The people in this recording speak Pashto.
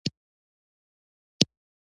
زموږ چلند د ترهې نښه ده.